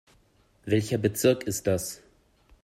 Welcher Bezirk ist das?